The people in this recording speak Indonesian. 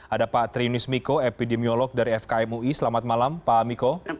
ada pak triunis miko epidemiolog dari fkmui selamat malam pak miko